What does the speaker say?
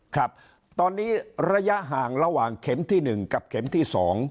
ครับตอนนี้ระยะห่างระหว่างเข็มที่๑กับเข็มที่๒